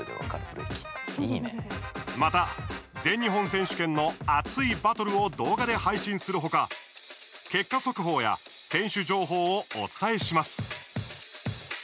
また、全日本選手権の熱いバトルを動画で配信する他結果速報や選手情報をお伝えします。